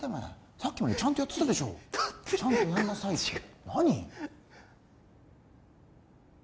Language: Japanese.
さっきまでちゃんとやってたでしょだって漢字がちゃんとやんなさいって何？